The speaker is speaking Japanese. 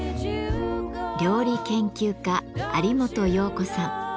料理研究家有元葉子さん。